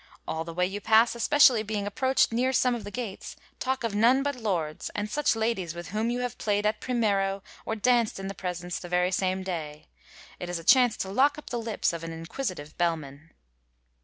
... All the way you pass, especially being approached near some of the gates, talk of none but lords, and such ladies with whom you have played at primero, or danced in the presence, the very same day ; it is a chance to lock up the lips of an inquisitive bell man.'